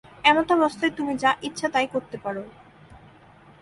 এমতাবস্থায় তুমি যা ইচ্ছা তাই করতে পার'।